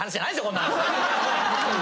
こんなん！